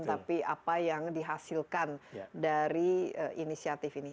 tapi apa yang dihasilkan dari inisiatif ini